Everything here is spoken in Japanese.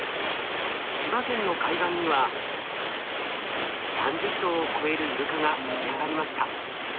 千葉県の海岸には３０頭を超えるイルカが打ち上がりました。